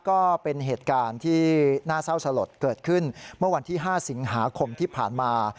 ก็เป็นเหตุการณ์ที่น่าเศร้าสลดเกิดขึ้นเมื่อวันที่๕สิงหาคมที่ผ่านมา